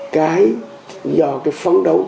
cái do cái phấn đấu